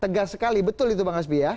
tegas sekali betul itu bang hasbi ya